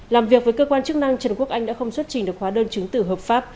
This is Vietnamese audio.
làm việc với cơ quan chức năng trần quốc anh đã không xuất trình được hóa đơn chứng tử hợp pháp